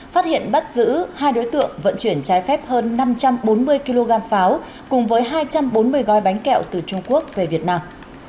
phát hiện bắt giữ hai đối tượng vận chuyển trái phép hơn năm trăm bốn mươi kg pháo cùng với hai trăm bốn mươi gói bánh kẹo từ trung quốc về việt nam